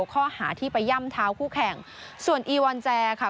ข้อหาที่ไปย่ำเท้าคู่แข่งส่วนอีวอนแจค่ะ